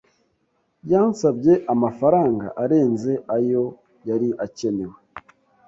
Yansabye amafaranga arenze ayo yari akenewe.